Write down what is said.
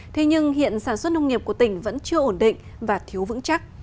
thế nhưng hiện sản xuất nông nghiệp của tỉnh vẫn chưa ổn định và thiếu vững chắc